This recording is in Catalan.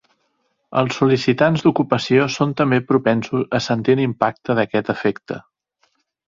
Els sol·licitants d'ocupació són també propensos a sentir l'impacte d'aquest efecte.